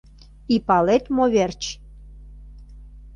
И палет, мо верч?